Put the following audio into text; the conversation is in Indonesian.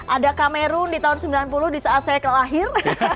ada kamerun di tahun sembilan puluh di saat saya kelahir